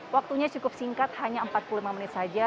waktunya cukup singkat hanya empat puluh lima menit saja